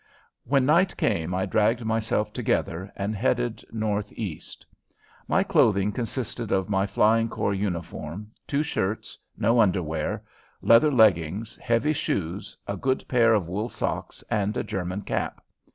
When night came I dragged myself together and headed northeast. My clothing consisted of my Flying Corps uniform, two shirts, no underwear, leather leggings, heavy shoes, a good pair of wool socks, and a German cap.